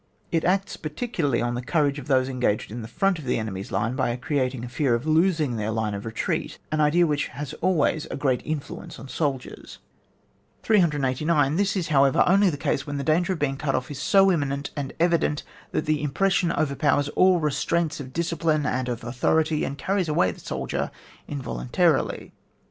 It acts particularly on the courage of those engaged in the front of the enemy's line by creating a fear of losing their line of retreat, an idea which has always a great influence on soldiers. 389. This is, however, only the case when the danger of being cut off is so imminent and evident, that the impres sion overpowers all restraints of discipline and of authority, and carries away the soldier involuntarily.